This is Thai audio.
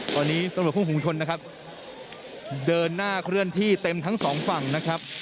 ตอนนี้ตำรวจคู่ภูมิชนนะครับเดินหน้าเคลื่อนที่เต็มทั้งสองฝั่งนะครับ